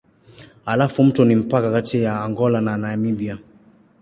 Halafu mto ni mpaka kati ya Angola na Namibia.